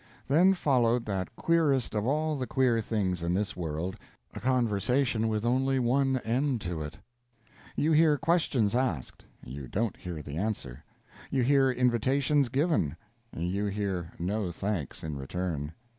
Then followed that queerest of all the queer things in this world a conversation with only one end to it. You hear questions asked; you don't hear the answer. You hear invitations given; you hear no thanks in return.